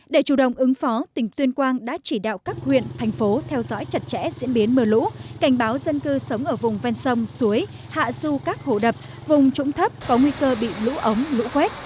để chủ động ứng phó tỉnh tuyên quang đã chỉ đạo các huyện thành phố theo dõi chặt chẽ diễn biến mưa lũ cảnh báo dân cư sống ở vùng ven sông suối hạ du các hồ đập vùng trũng thấp có nguy cơ bị lũ ống lũ quét